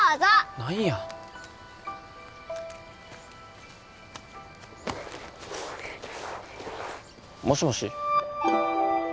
何やもしもし？